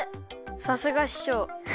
さすがししょう。